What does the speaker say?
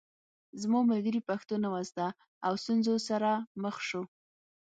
زما ملګري پښتو نه وه زده او ستونزو سره مخ شو